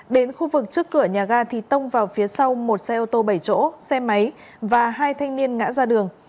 đến khu vực trước cửa nhà ga thì tông vào phía sau một xe ô tô bảy chỗ xe máy và hai thanh niên ngã ra đường